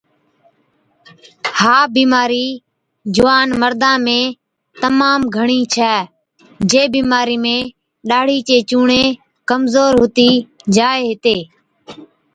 ها بِيمارِي جُوان مردان ۾ تمام گھڻِي ڇَي، جي بِيمارِي ۾ ڏاڙهِي چي چُونڻي ڪمزور هُتِي جائي هِتي،